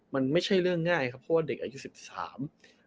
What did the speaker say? มันไม่ใช่เรื่องง่ายครับเพราะว่าเด็กอายุสิบสาม